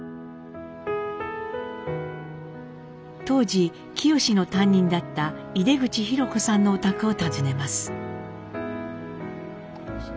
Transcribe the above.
当時清の担任だった出口博子さんのお宅を訪ねます。